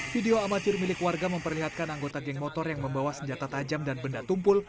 video amatir milik warga memperlihatkan anggota geng motor yang membawa senjata tajam dan benda tumpul